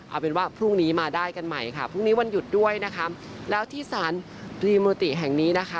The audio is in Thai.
เอาเป็นว่าพรุ่งนี้มาได้กันใหม่ค่ะพรุ่งนี้วันหยุดด้วยนะคะแล้วที่สารรีโมติแห่งนี้นะคะ